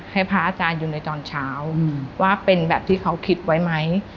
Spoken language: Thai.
พระอาจารย์อยู่ในตอนเช้าว่าเป็นแบบที่เขาคิดไว้ไหม